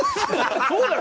そうだよ。